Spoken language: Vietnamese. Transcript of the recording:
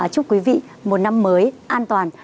chúc quý vị một năm mới an toàn